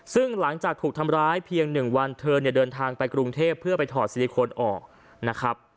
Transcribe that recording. ซึ่งหลังจากถูกทำร้ายเพียงหนึ่งวันเธอเดินทางไปกรุงเทพเพื่อไปถอดซิลิโคนออก